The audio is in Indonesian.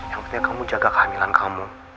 yang penting kamu jaga kehamilan kamu